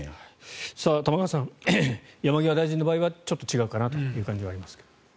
玉川さん山際大臣の場合はちょっと違うかなという感じがありますが。